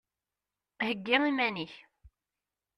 Heyyi iman-ik!